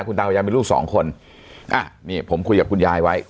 ตาคุณยายมีลูกสองคนอ่ะนี่ผมคุยกับคุณยายไว้